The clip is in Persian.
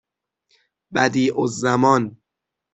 بَدیعالزمان